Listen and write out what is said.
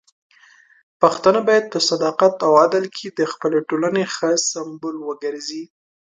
پښتانه بايد په صداقت او عدل کې د خپلې ټولنې ښه سمبول وګرځي.